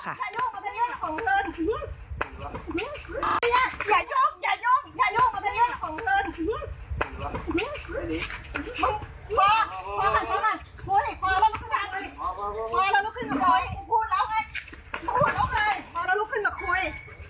พอแล้วลุกขึ้นมาคุย